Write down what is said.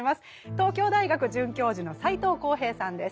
東京大学准教授の斎藤幸平さんです。